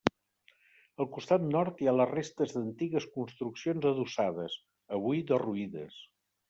Al costat nord hi ha les restes d'antigues construccions adossades, avui derruïdes.